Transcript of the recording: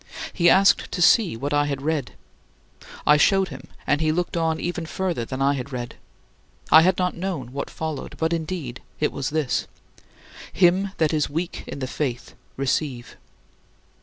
He asked to see what I had read. I showed him, and he looked on even further than I had read. I had not known what followed. But indeed it was this, "Him that is weak in the faith, receive."